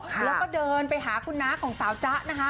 แล้วก็เดินไปหาคุณน้าของสาวจ๊ะนะคะ